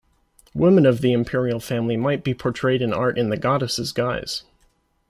Women of the Imperial family might be portrayed in art in the goddess's guise.